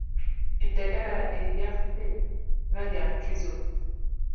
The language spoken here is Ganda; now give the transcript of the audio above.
Eddagala eryaffe nga lya nkizo.